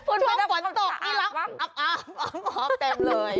ช่วงฝนตกอับเต็มเลย